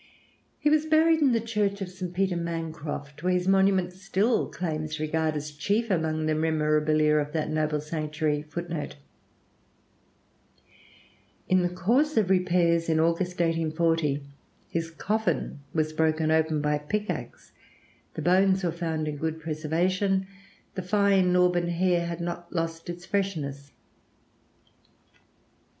He was buried in the church of St. Peter Mancroft, where his monument still claims regard as chief among the memorabilia of that noble sanctuary. [Footnote 3: In the course of repairs, "in August, 1840, his coffin was broken open by a pickaxe; the bones were found in good preservation, the fine auburn hair had not lost its freshness."